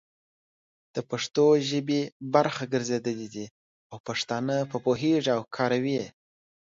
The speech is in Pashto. د پښتو ژبې برخه ګرځېدلي دي او پښتانه په پوهيږي او کاروي يې،